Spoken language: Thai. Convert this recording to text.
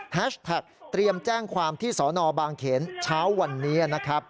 แฮชแท็กตรียมแจ้งความที่สนบางเขนเช้าวันนี้